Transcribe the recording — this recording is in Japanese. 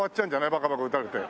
バカバカ打たれて。